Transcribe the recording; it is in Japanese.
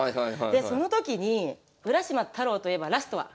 でその時に「浦島太郎」といえばラストは？